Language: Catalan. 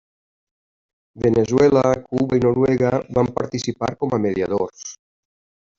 Veneçuela, Cuba i Noruega van participar com a mediadors.